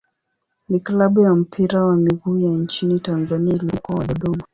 ni klabu ya mpira wa miguu ya nchini Tanzania iliyopo Mkoa wa Dodoma.